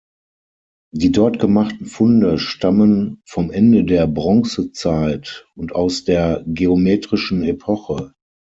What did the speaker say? Die dort gemachten Funde stammen vom Ende der Bronzezeit und aus der „geometrischen Epoche“.